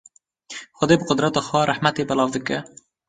Xwedê bi qudreta xwe rahmetê belav dike.